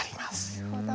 なるほど！